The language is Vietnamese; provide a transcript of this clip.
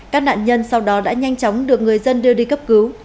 các nạn nhân sau đó đã nhanh chóng được người dân đưa đi cấp cứu